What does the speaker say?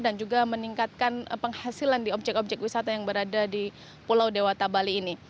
dan juga meningkatkan penghasilan di objek objek wisata yang berada di pulau dewata bali ini